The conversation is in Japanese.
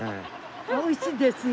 美味しいですよ。